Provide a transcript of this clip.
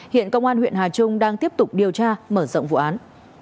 hiện công an huyện hà trung đang tiếp tục điều tra mở rộng vụ án